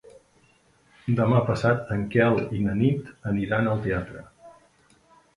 Demà passat en Quel i na Nit aniran al teatre.